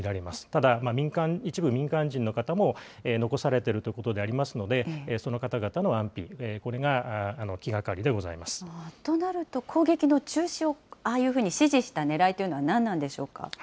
ただ、民間、一部民間人の方も残されているということでありますので、その方々の安否、これが気となると、攻撃の中止を、ああいうふうに指示したねらいというのはなんなんでしょうか。